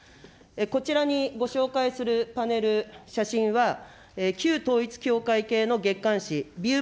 こちらにご紹介するパネル、写真は、旧統一教会系の月刊しビュー